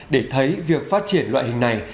để thấy việc phát triển loại hình này